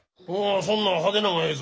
そんなん派手なんがええぞ。